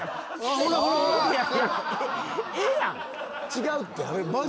違うって。